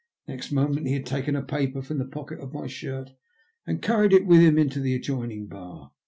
Next moment he had taken a paper from the pocket of my shirt, and carried it with him into the adjoining bar.